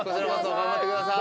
頑張ってください。